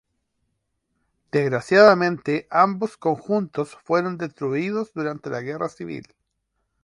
Desgraciadamente ambos conjuntos fueron destruidos durante la guerra civil.